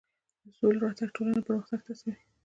د سولې راتګ ټولنه پرمختګ ته هڅوي.